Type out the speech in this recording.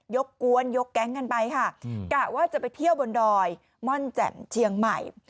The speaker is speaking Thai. กวนยกแก๊งกันไปค่ะกะว่าจะไปเที่ยวบนดอยม่อนแจ่มเชียงใหม่